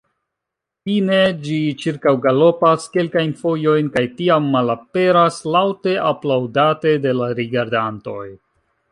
Fine ĝi ĉirkaŭgalopas kelkajn fojojn kaj tiam malaperas, laŭte aplaŭdate de la rigardantoj.